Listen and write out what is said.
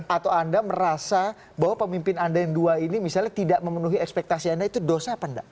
atau anda merasa bahwa pemimpin anda yang dua ini misalnya tidak memenuhi ekspektasi anda itu dosa apa enggak